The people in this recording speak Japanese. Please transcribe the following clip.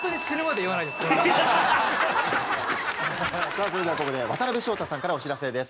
さぁそれではここで渡辺翔太さんからお知らせです。